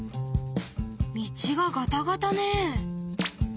道がガタガタね。